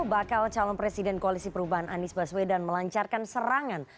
bakal calon presiden koalisi perubahan anies baswedan melancarkan serangan